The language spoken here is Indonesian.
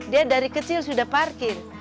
dia dari kecil sudah parkir